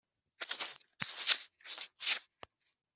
Isaba rigomba kugaragaza neza